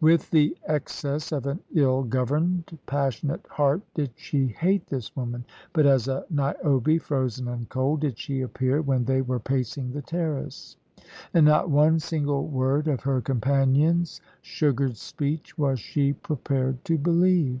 With the excess of an ill governed, passionate heart did she hate this woman; but as a Niobe, frozen and cold, did she appear when they were pacing the terrace. And not one single word of her companion's sugared speech was she prepared to believe.